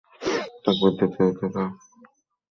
তাকবীর দিতে দিতে তা খুলে দিলেন।